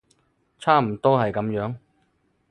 差唔多係噉樣